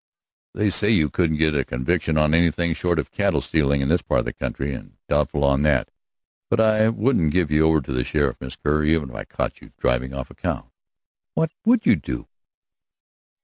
"They say you couldn't get a conviction on anything short of cattle stealing in this part of the country, and doubtful on that. But I wouldn't give you over to the sheriff, Miss Kerr, even if I caught you driving off a cow." "What would you do?"